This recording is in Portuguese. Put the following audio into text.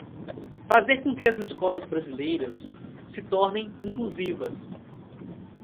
fazer com que as escolas brasileiras se tornem inclusivas